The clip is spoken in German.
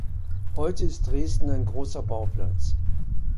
Heute ist Dresden ein großer Bauplatz.